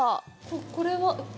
これは？